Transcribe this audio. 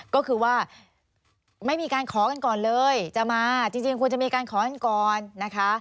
ก็คือว่าไม่มีการขอกันก่อนเลยจะมาจริงควรจะมีการขอกันก่อนนะคะ